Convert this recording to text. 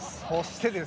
そして。